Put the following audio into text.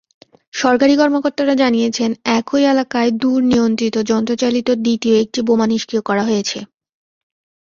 সরকারি কর্মকর্তারা জানিয়েছেন, একই এলাকায় দূরনিয়ন্ত্রিত যন্ত্রচালিত দ্বিতীয় একটি বোমা নিষ্ক্রিয় করা হয়েছে।